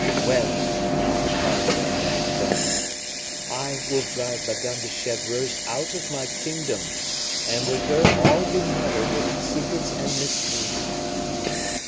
"Well!" replied the young man firmly, "I will drive Madame de Chevreuse out of my kingdom and with her all who meddle with its secrets and mysteries."